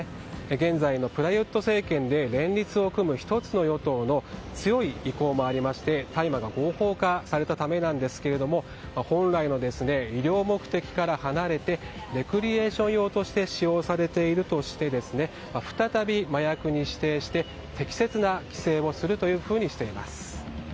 現在のプラユット政権で連立を組む１つの与党の強い意向もありまして大麻が合法化されたためなんですが本来の医療目的から離れてレクリエーション用として使用されているとして再び麻薬に指定して適切な規制をするというふうにしています。